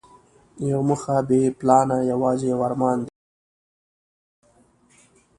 یوه موخه بې پلانه یوازې یو ارمان دی.